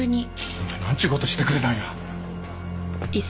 お前なんちゅう事してくれたんや。